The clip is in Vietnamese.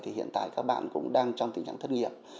thì hiện tại các bạn cũng đang trong tình trạng thất nghiệp